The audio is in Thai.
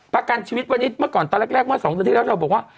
ประกันชีวิตเมื่อก่อนตอนแรกว่า๒นาทีแล้วเจ้าบอกว่า